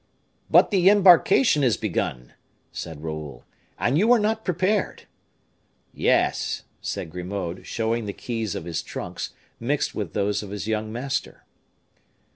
"But the embarkation is begun," said Raoul, "and you are not prepared." "Yes," said Grimaud, showing the keys of his trunks, mixed with those of his young master.